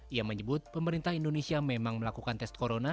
ia menyebut pemerintah indonesia memang melakukan tes corona